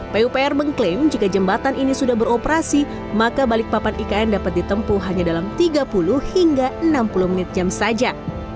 pupr mengklaim jika jembatan ini sudah beroperasi maka balikpapan ikn dapat ditempuh hanya dalam tiga puluh hingga enam puluh menit jam saja